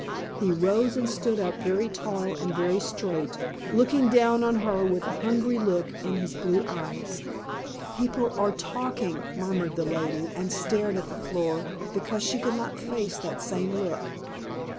He rose and stood up, very tall and very straight, looking down on her with a hungry look in his blue eyes. "People are talking," murmured the lady, and stared at the floor, because she could not face that same look.